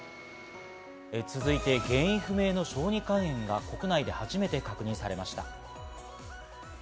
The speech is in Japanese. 続いて原因不明の小児肝炎が国内で初めて確認されました。